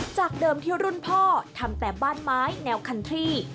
จากเดิมที่รุ่นพ่อทำแต่บ้านไม้แนวคันทรี่